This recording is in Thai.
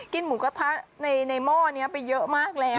หมูกระทะในหม้อนี้ไปเยอะมากแล้ว